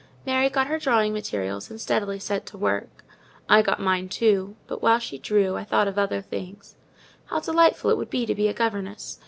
Mary got her drawing materials, and steadily set to work. I got mine too; but while I drew, I thought of other things. How delightful it would be to be a governess!